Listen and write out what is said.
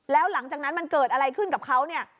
แล้วหลังจากนั้นมันเกิดอะไรขึ้นกับเขาเนี่ย